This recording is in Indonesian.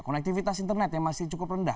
konektivitas internetnya masih cukup rendah